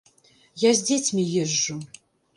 Я з дзецьмі езджу.